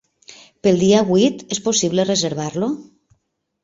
Pel dia vuit és possible reservar-lo?